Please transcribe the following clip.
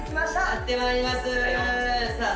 やってまいりますさあ